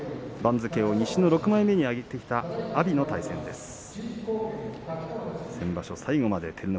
１２勝３敗、敢闘賞で番付を西の６枚目に上げてきた阿炎の対戦です。